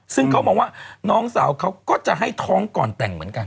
ซึ่งเขามองว่าน้องสาวเขาก็จะให้ท้องก่อนแต่งเหมือนกัน